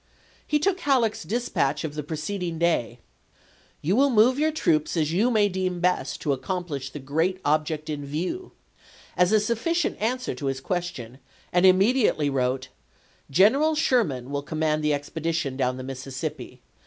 He took Halleck's dispatch of the preceding day —" You will move your troops as you may deem best to accomplish the great object Badeau, in view" — as a sufficient answer to his question, and p? 135!' immediately wrote, " General Sherman will com mand the expedition down the Mississippi.